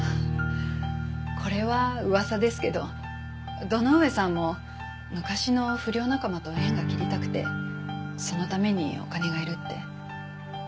これは噂ですけど堂上さんも昔の不良仲間と縁が切りたくてそのためにお金がいるって。